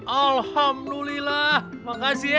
alhamdulillah makasih ya